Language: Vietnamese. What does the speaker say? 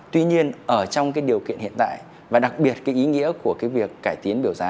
tuy nhiên ở trong điều kiện hiện tại và đặc biệt ý nghĩa của việc cải tiến biểu giá